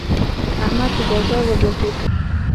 احمد په بازار وګرځېد.